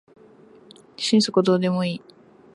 心底どうでもいい